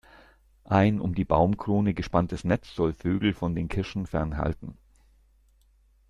Ein um die Baumkrone gespanntes Netz soll Vögel von den Kirschen fernhalten.